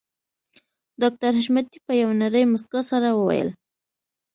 ډاکټر حشمتي په يوې نرۍ مسکا سره وويل